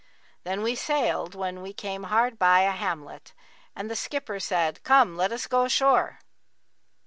Then we sailed when we came hard by a hamlet[FN#46] and the skipper said, 'Come, let us go ashore.'